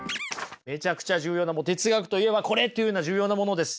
めちゃくちゃ重要なもの哲学といえばこれというような重要なものです。